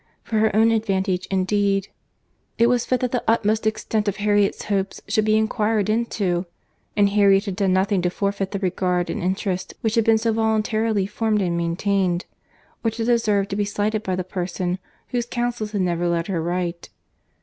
—For her own advantage indeed, it was fit that the utmost extent of Harriet's hopes should be enquired into; and Harriet had done nothing to forfeit the regard and interest which had been so voluntarily formed and maintained—or to deserve to be slighted by the person, whose counsels had never led her right.